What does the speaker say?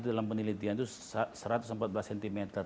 dalam penelitian itu satu ratus empat belas cm